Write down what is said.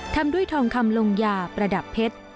ทำด้วยทองคำลงยาประดับเพชร